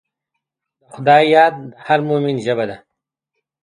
د خدای یاد د هر مؤمن ژبه ده.